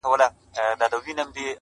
نه بابا خبر نه يم _ ستا په خيالورې لور _